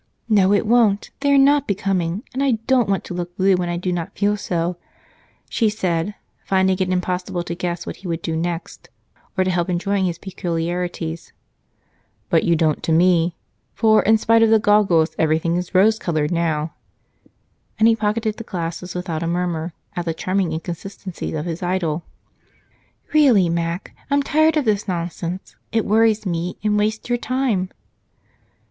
"No, it won't they are not becoming, and I don't want to look blue when I do not feel so," she said, finding it impossible to guess what he would do next or to help enjoying his peculiarities. "But you don't to me, for in spite of the goggles everything is rose colored now." And he pocketed the glasses without a murmur at the charming inconsistency of his idol. "Really, Mac, I'm tired of this nonsense, it worries me and wastes your time."